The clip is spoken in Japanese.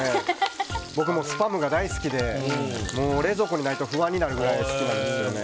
僕スパムが大好きで冷蔵庫にないと不安になるくらい好きなんですよね。